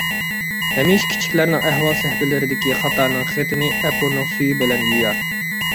ھەمىشە كىچىكلەرنىڭ ئەھۋال سەھىپىلىرىدىكى خاتانىڭ خېتىنى ئەپۇنىڭ سۈيى بىلەن يۇيار.